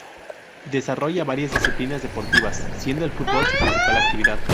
Desarrolla varias disciplinas deportivas, siendo el fútbol su principal actividad.